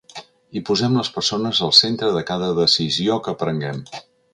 I posem les persones al centre de cada decisió que prenguem.